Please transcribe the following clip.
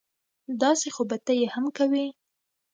داسې خو به ته یې هم کوې